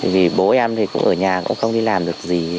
vì bố em thì cũng ở nhà cũng không đi làm được gì